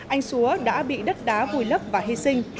anh xúa đã bị đất đá vùi lấp và hy sinh